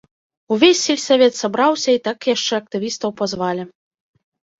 Увесь сельсавет сабраўся, і так яшчэ актывістаў пазвалі.